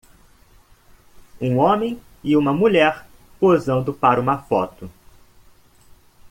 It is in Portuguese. um homem e uma mulher posando para uma foto